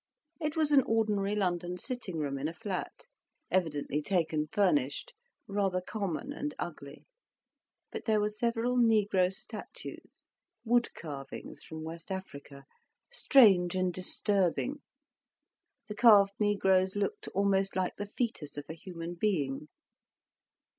It was an ordinary London sitting room in a flat, evidently taken furnished, rather common and ugly. But there were several negro statues, wood carvings from West Africa, strange and disturbing, the carved negroes looked almost like the fœtus of a human being.